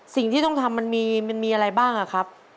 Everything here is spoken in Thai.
สิ่งที่ต้องทำมันมีอะไรบ้างอะครับ